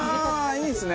いいですね。